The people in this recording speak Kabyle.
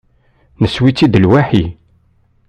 Nesseww-itt-id lwaḥi.